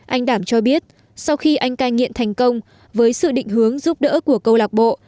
anh đảm cho biết sau khi anh cai nghiện thành công với sự định hướng giúp đỡ của câu lạc bộ